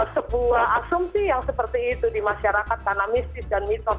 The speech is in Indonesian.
sebuah asumsi yang seperti itu di masyarakat karena mistis dan mitos